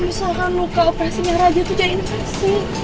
misalkan luka operasinya raja itu jadi invasi